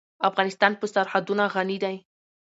افغانستان په سرحدونه غني دی.